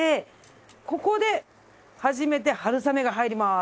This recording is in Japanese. ここで初めて春雨が入ります。